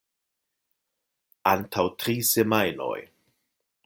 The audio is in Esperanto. Antaŭ tri semajnoj.